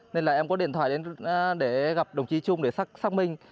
nên là em có điện thoại để gặp đồng chí chung để xác minh